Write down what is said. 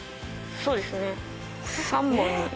そうですね。